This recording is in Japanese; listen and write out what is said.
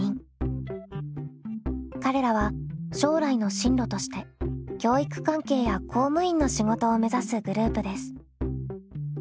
彼らは将来の進路として教育関係や公務員の仕事を目指すグループです。